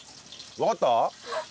わかった。